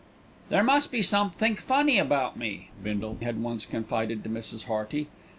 "There must be somethink funny about me," Bindle had once confided to Mrs. Hearty.